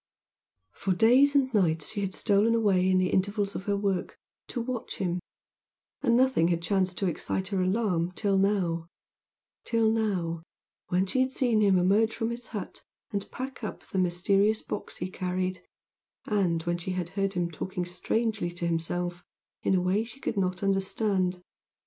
For days and nights she had stolen away in the intervals of her work, to watch him and nothing had chanced to excite her alarm till now till now, when she had seen him emerge from his hut and pack up the mysterious box he carried, and when she had heard him talking strangely to himself in a way she could not understand.